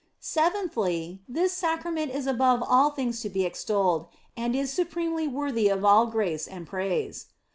Seventhly, this Sacrament is above all things to be ex tolled, and is supremely worthy of all grace and praise.